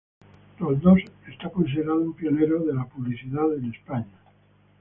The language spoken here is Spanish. Roldós es considerado un pionero de la publicidad en España.